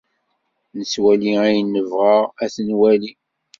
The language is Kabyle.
Nettwali ayen ay nebɣa ad t-nwali.